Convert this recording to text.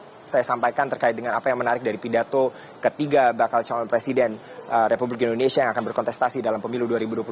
yang saya sampaikan terkait dengan apa yang menarik dari pidato ketiga bakal calon presiden republik indonesia yang akan berkontestasi dalam pemilu dua ribu dua puluh